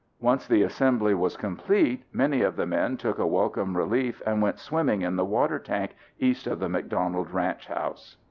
Once the assembly was complete many of the men took a welcome relief and went swimming in the water tank east of the McDonald ranch house.